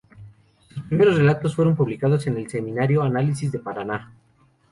Sus primeros relatos fueron publicados en el semanario Análisis, de Paraná.